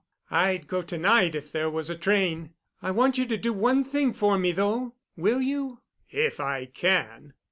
I'd go to night if there was a train. I want you to do one thing for me, though. Will you?" "If I can."